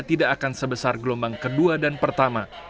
tidak akan sebesar gelombang kedua dan pertama